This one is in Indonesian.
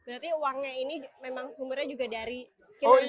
berarti uangnya ini memang sumbernya juga dari kinerja